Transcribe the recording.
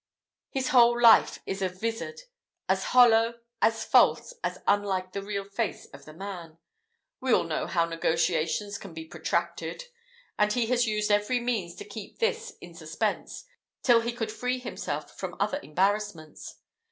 his whole life is a vizard as hollow as false as unlike the real face of the man. We all know how negotiations can be protracted; and he has used every means to keep this in suspense till he could free himself from other embarrassments.